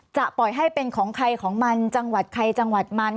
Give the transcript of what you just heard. ปล่อยให้เป็นของใครของมันจังหวัดใครจังหวัดมัน